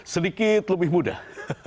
sedikit lebih mudah